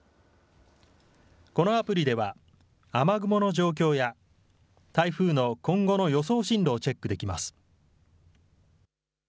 このアプリでは、雨雲の状況や台風の今後の予想進路をチェックできます。